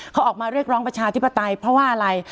เขาออกมาเรียกร้องประชาธิปไตยเพราะว่าอะไร